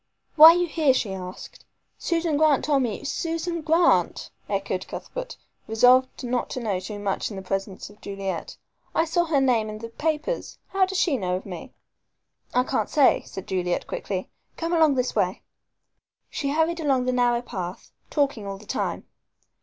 "Why are you here?" she asked. "Susan Grant told me you " "Susan Grant!" echoed Cuthbert, resolved not to know too much in the presence of Juliet. "I saw her name in the papers. How does she know me?" "I can't say," said Juliet quickly; "come along this way." She hurried along the narrow path, talking all the time.